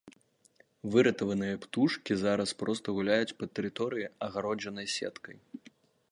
Выратаваныя птушкі зараз проста гуляюць па тэрыторыі, агароджанай сеткай.